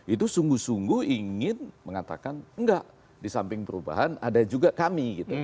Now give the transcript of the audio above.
itu sungguh sungguh ingin mengatakan enggak di samping perubahan ada juga kami